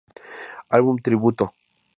Álbum tributo